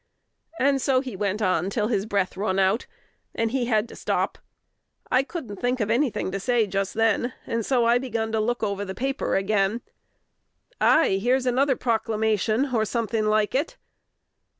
And so he went on till his breath run out, and he had to stop. I couldn't think of any thing to say just then; and so I begun to look over the paper again. "Ay! here's another proclamation, or something like it."